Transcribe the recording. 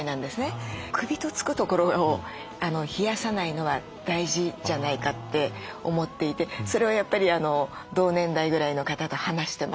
「首」とつくところを冷やさないのは大事じゃないかって思っていてそれをやっぱり同年代ぐらいの方と話してました。